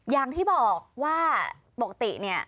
อย่างที่บอกว่าปกติเนี่ย